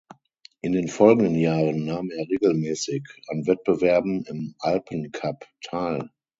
In den folgenden Jahren nahm er regelmäßig an Wettbewerben im Alpencup teil.